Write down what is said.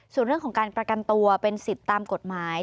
ส่วนเรื่องของการประกันตัวเป็นสิทธิ์ตามกฎหมาย